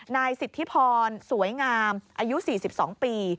นายสิทธิพรสวยงามอายุ๔๒ปี